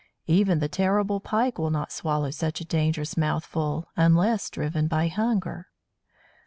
Even the terrible Pike will not swallow such a dangerous mouthful unless driven by hunger.